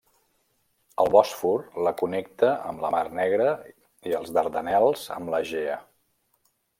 El Bòsfor la connecta amb la mar Negra i els Dardanels amb l'Egea.